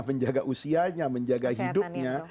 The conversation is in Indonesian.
menjaga usianya menjaga hidupnya